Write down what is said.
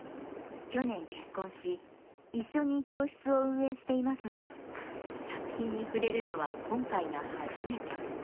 去年結婚し一緒に教室を運営していますが作品に触れるのは今回が初めて。